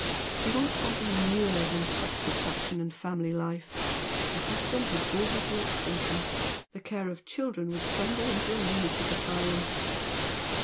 She wants some thing newer than sex attraction and family life. A husband would bore her to extinction the care of children would send her into a lunatic asylum!"